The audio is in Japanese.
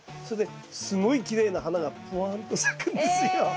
それですごいきれいな花がぷわんと咲くんですよ。